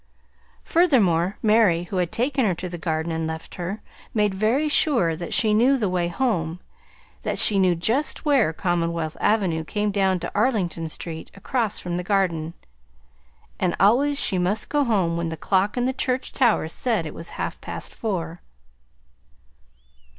Furthermore, Mary, who had taken her to the Garden and left her, made very sure that she knew the way home that she knew just where Commonwealth Avenue came down to Arlington Street across from the Garden. And always she must go home when the clock in the church tower said it was half past four.